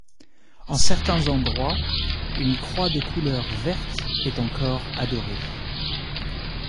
En certains endroits, une croix de couleur verte est encore adorée.